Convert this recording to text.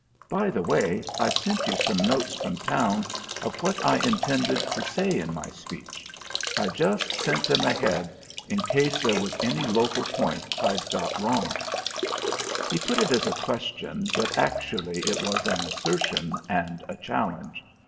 By the way, I sent you some notes from town of what I intended to say in my speech. I just sent them ahead in case there was any local point I'd got wrong." He put it as a question, but actually it was an assertion and a challenge.